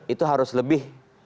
itu harus lebih